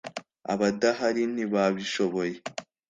abadahari ntibabishoboye.